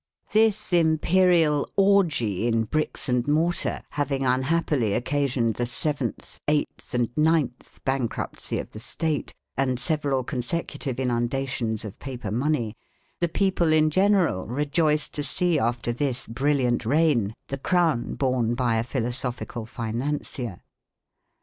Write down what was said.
This imperial orgy in bricks and mortar having unhappily occasioned the seventh, eighth, and ninth bankruptcy of the State and several consecutive inundations of paper money, the people in general rejoiced to see after this brilliant reign the crown borne by a philosophical financier.